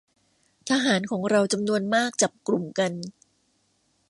ทหารของเราจำนวนมากจับกลุ่มกัน